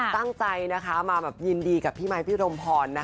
ตั้งใจนะคะมาแบบยินดีกับพี่ไมค์พี่รมพรนะคะ